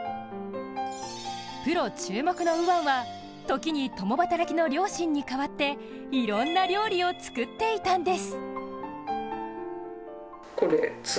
プロ注目の右腕は、ときに共働きの両親に代わっていろんな料理を作っていたんです。